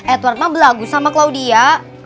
edward mah berlagu sama claudia